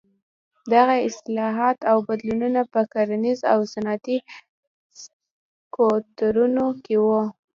دغه اصلاحات او بدلونونه په کرنیز او صنعتي سکتورونو کې وو.